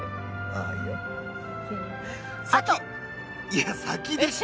いや先でしょ！